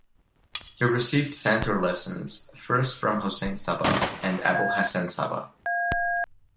He received santur lessons first from Hossein Saba and Abolhassan Saba.